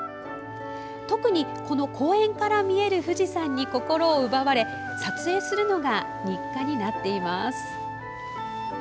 特に、この公園から見える富士山に心を奪われ撮影するのが日課になっています。